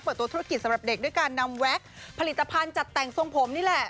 เปิดตัวธุรกิจสำหรับเด็กด้วยการนำแว็กผลิตภัณฑ์จัดแต่งทรงผมนี่แหละ